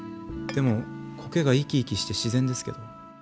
でも苔が生き生きして自然ですけど。